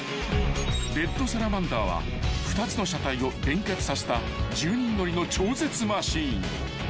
［レッドサラマンダーは２つの車体を連結させた１０人乗りの超絶マシン］